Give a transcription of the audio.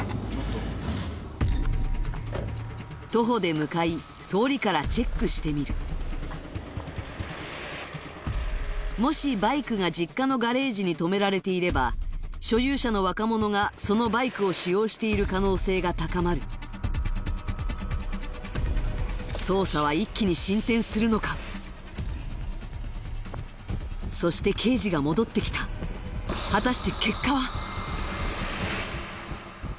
徒歩で向かい通りからチェックしてみるもしバイクが実家のガレージにとめられていれば所有者の若者がそのバイクを使用している可能性が高まる捜査は一気に進展するのかそして刑事が戻ってきたあった？